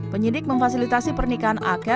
penyidik memfasilitasi pernikahan ak